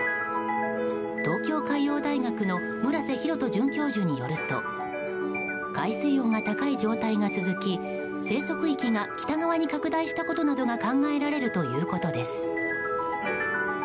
東京海洋大学の村瀬弘人准教授によると海水温が高い状態が続き生息域が北側に拡大したことなどが考えられるということです。